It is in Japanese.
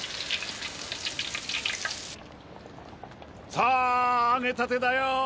さあ揚げたてだよ！